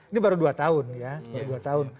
ini baru dua tahun ya baru dua tahun